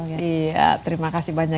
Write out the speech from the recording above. iya terima kasih banyak